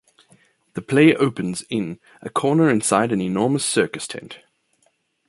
The play opens in "a corner inside an enormous circus tent".